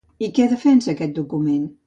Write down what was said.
I què defensa aquest document?